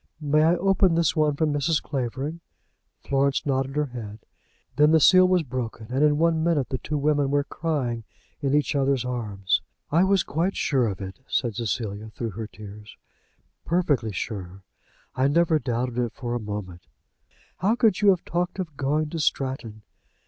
"May I open this one from Mrs. Clavering?" Florence nodded her head. Then the seal was broken, and in one minute the two women were crying in each other's arms. "I was quite sure of it," said Cecilia, through her tears, "perfectly sure. I never doubted it for a moment. How could you have talked of going to Stratton?"